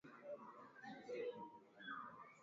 na inatathmini uwezekano huo wa kuomba msaada